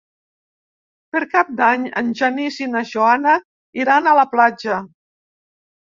Per Cap d'Any en Genís i na Joana iran a la platja.